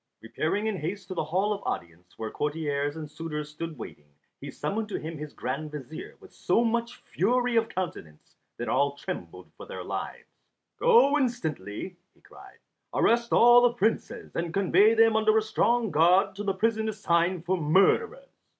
Repairing in haste to the hall of audience, where courtiers and suitors stood waiting, he summoned to him his grand vizier with so much fury of countenance that all trembled for their lives. "Go instantly," he cried, "arrest all the Princes, and convey them under a strong guard to the prison assigned for murderers!"